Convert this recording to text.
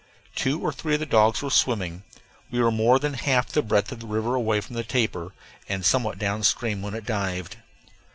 Two or three of the dogs were swimming. We were more than half the breadth of the river away from the tapir, and somewhat down stream, when it dived.